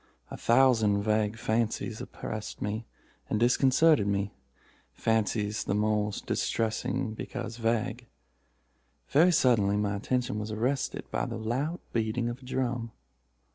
A thousand vague fancies oppressed and disconcerted me—fancies the more distressing because vague. Very suddenly my attention was arrested by the loud beating of a drum.